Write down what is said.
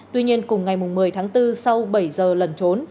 tuy nhiên cùng ngày một mươi tháng bốn sau bảy giờ lẩn trốn